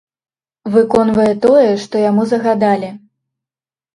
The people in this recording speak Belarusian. Выконвае тое, што яму загадалі.